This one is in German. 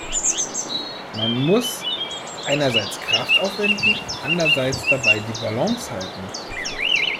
Man muss einerseits Kraft aufwenden, andererseits dabei die Balance halten.